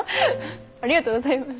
ありがとうございます。